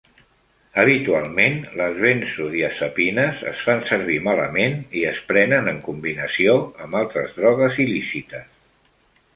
Habitualment les benzodiazepines es fan servir malament i es prenen en combinació amb altres drogues il·lícites.